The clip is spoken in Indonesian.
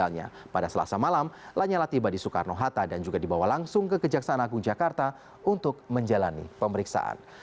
lanyala tiba di soekarno hatta dan dibawa langsung ke kejaksaan agung jakarta untuk menjalani pemeriksaan